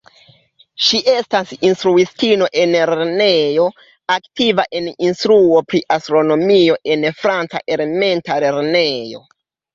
Ŝi estas instruistino en lernejo, aktiva en instruo pri astronomio en franca elementa lernejo.